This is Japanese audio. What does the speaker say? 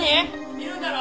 いるんだろ？